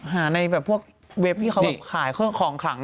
ในแบบพวกเว็บที่เขาแบบขายเครื่องของขลัง